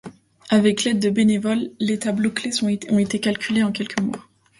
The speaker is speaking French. Avec l'aide de bénévoles, les tableaux clés ont été calculés en quelques mois.